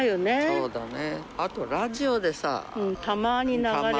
そうだね。